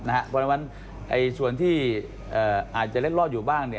เพราะฉะนั้นส่วนที่อาจจะเล่นรอดอยู่บ้าง